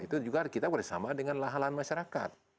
itu juga kita bersama dengan lahan lahan masyarakat